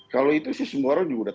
kalau itu sih semua orang juga